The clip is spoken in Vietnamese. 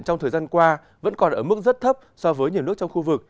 trong thời gian qua vẫn còn ở mức rất thấp so với nhiều nước trong khu vực